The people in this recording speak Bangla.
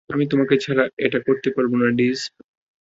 আমি তোমাকে ছাড়া এটা করতে পারবো না, ডিজ।